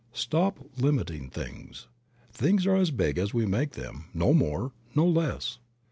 Stop limiting things. Things are as big as we make them, no more, no less.